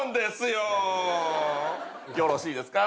よろしいですか？